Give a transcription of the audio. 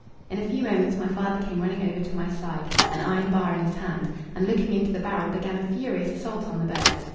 In a few moments my father came running over to my side, an iron bar in his hand, and looking into the barrel began a furious assault on the bird.